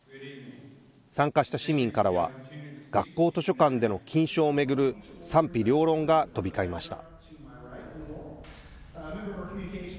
参加した市民からは学校図書館での禁書を巡る賛否両論が飛び交いました。